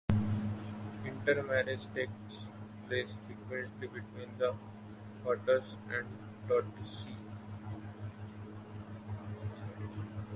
Intermarriage takes place frequently between the Hutus and Tutsis.